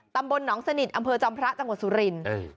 ตำบลหนองสนิทอำเภอจอมพระจังหวัดสุรินทร์